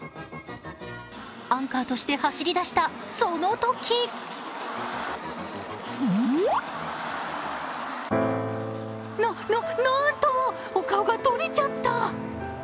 アンカーとして走り出した、その時な、な、なんとお顔が取れちゃった。